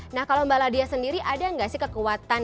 nah kalau mbak ladiah sendiri ada nggak sih kekuatan dari film ini